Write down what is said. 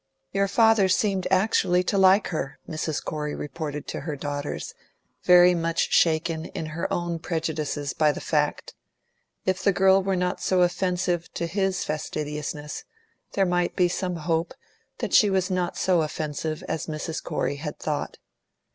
"Your father seemed actually to like her," Mrs. Corey reported to her daughters, very much shaken in her own prejudices by the fact. If the girl were not so offensive to his fastidiousness, there might be some hope that she was not so offensive as Mrs. Corey had thought.